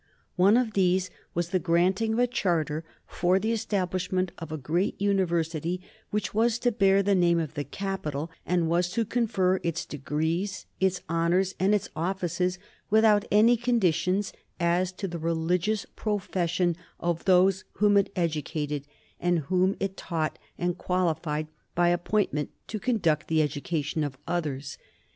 One of these was the granting of a charter for the establishment of a great university which was to bear the name of the capital, and was to confer its degrees, its honors, and its offices without any conditions as to the religious profession of those whom it educated, and whom it taught and qualified by appointment to conduct the education of others.